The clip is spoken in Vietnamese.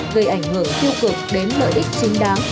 gây ảnh hưởng tiêu cực đến lợi ích chính đáng